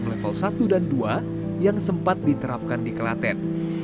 level satu dan dua yang sempat diterapkan di kelaten